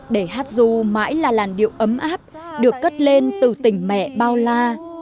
để hát du mãi là làn điệu ấm áp được cất lên từ tình mẹ bao la